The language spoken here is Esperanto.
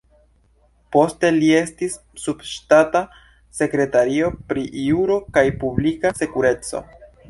Poste, li estis subŝtata sekretario pri Juro kaj Publika Sekureco.